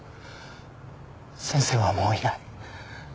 先生はもういない。